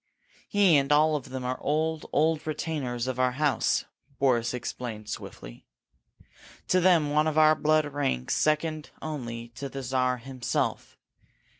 "He and all of them are old, old retainers of our house," Boris explained swiftly. "To them one of our blood ranks second only to the Czar himself.